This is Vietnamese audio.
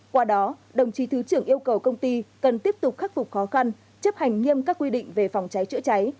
qua đó đồng chí thứ trưởng yêu cầu công ty cần tiếp tục khắc phục khó khăn chấp hành nghiêm các quy định về phòng cháy chữa cháy